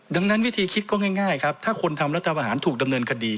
ดังนั้นวิธีคิดก็ง่ายครับถ้าคนทำรัฐประหารถูกดำเนินคดี